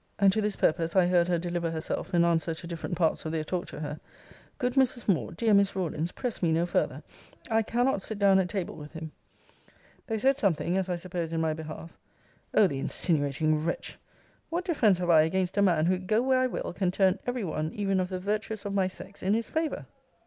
And to this purpose I heard her deliver herself in answer to different parts of their talk to her: 'Good Mrs. Moore, dear Miss Rawlins, press me no further: I cannot sit down at table with him!' They said something, as I suppose in my behalf 'O the insinuating wretch! What defence have I against a man, who, go where I will, can turn every one, even of the virtuous of my sex, in his favour?'